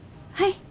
はい。